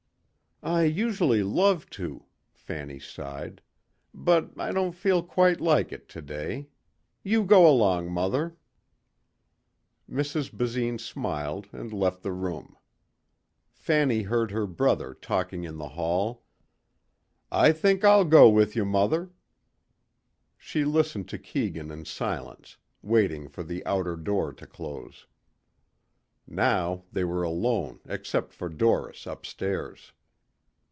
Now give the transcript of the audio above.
"I usually love to," Fanny sighed. "But I don't feel quite like it today. You go along, mother." Mrs. Basine smiled and left the room. Fanny heard her brother talking in the hall.... "I think I'll go with you, mother." She listened to Keegan in silence, waiting for the outer door to close. Now they were alone except for Doris, upstairs.